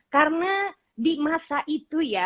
karena di masa itu ya